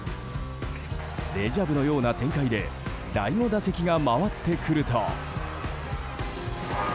デジャブのような展開で第５打席が回ってくると。